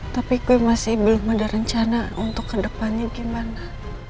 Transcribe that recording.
tapi gue masih belum ada rencana untuk kedepannya gimana